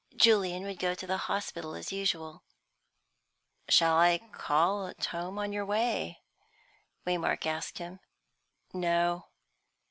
Julian would go to the hospital as usual. "Shall you call at home on your way?" Waymark asked him. "No."